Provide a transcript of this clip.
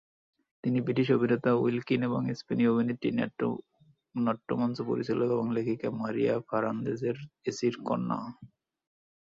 তিনি ব্রিটিশ অভিনেতা Will Keen এবং স্পেনীয় অভিনেত্রী, নাট্যমঞ্চ পরিচালক এবং লেখিকা "মারিয়া ফার্নান্দেজ এচি'র"কন্যা।